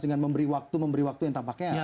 dengan memberi waktu yang tampaknya